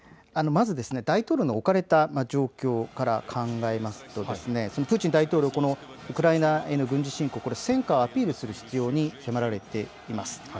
まず大統領の置かれた状況から考えますとプーチン大統領、ウクライナへの軍事侵攻、戦果をアピールする必要性に迫られています。